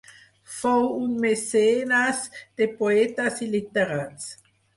Fou un mecenes de poetes i literats.